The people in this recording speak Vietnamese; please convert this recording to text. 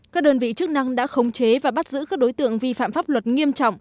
các đơn vị chức năng đã khống chế và bắt giữ các đối tượng vi phạm pháp luật nghiêm trọng